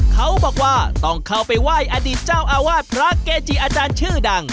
เขาบอกว่าต้องเข้าไปไหว้อดีตเจ้าอาวาสพระเกจิอาจารย์ชื่อดัง